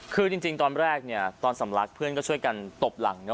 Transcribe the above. คือจริงตอนแรกเนี่ยตอนสำลักเพื่อนก็ช่วยกันตบหลังเนอ